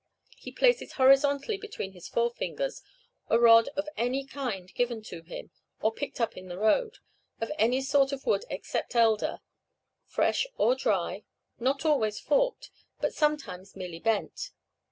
He places horizontally between his forefingers a rod of any kind given to him, or picked up in the road, of any sort of wood except elder, fresh or dry, not always forked, but sometimes merely bent.